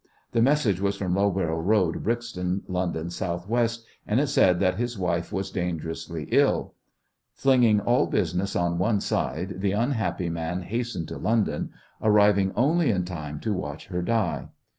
The message was from Loughborough Road, Brixton, London, S.W., and it said that his wife was dangerously ill. Flinging all business on one side the unhappy man hastened to London, arriving only in time to watch her die.